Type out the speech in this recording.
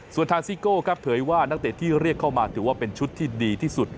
ส่วนทางซิโก้ครับเผยว่านักเตะที่เรียกเข้ามาถือว่าเป็นชุดที่ดีที่สุด